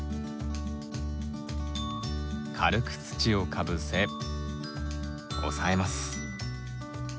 軽く土をかぶせ押さえます。